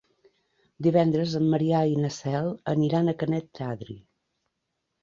Divendres en Maria i na Cel aniran a Canet d'Adri.